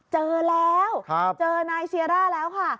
เจอแล้วเจอนายเซียร่าแล้วค่ะ